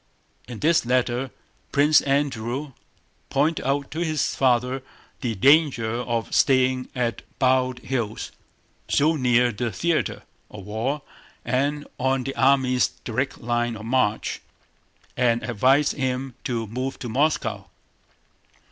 In this letter Prince Andrew pointed out to his father the danger of staying at Bald Hills, so near the theater of war and on the army's direct line of march, and advised him to move to Moscow.